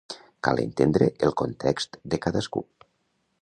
Cal entendre el context de cadascú.